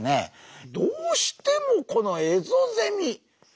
どうしてもこのエゾゼミ。